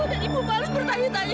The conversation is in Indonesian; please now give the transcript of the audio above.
dan ibu balik bertanya tanya